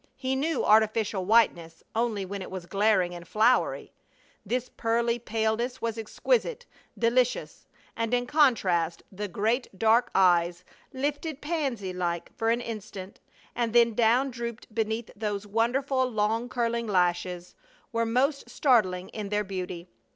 He knew artificial whiteness only when it was glaring and floury. This pearly paleness was exquisite, delicious; and in contrast the great dark eyes, lifted pansy like for an instant and then down drooped beneath those wonderful, long curling lashes, were almost startling in their beauty.